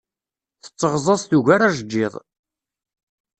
Tetteɣzaẓ tugar ajeǧǧiḍ.